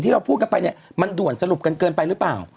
เราพูดกันไปเนี่ยมันด่วนสรุปกันเกินไปหรือเปล่า